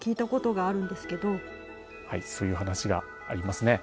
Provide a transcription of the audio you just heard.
はいそういう話がありますね。